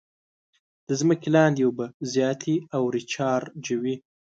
د ځمکې لاندې اوبه زیاتې او ریچارجوي.